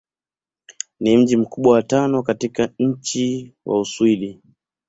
Ni mji mkubwa wa tano katika nchi wa Uswidi.